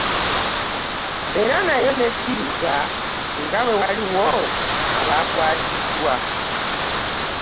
Era nayo n'ekkiriza nga bwe waaliwo abaakwatiddwa.